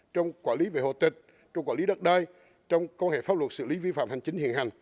trong quả lý về hộ tịch trong quả lý đất đai trong quan hệ pháp luật xử lý vi phạm hành chính hiện hành